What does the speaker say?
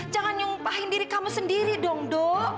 jangan nyumpahin diri kamu sendiri dong dok